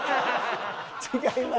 違います。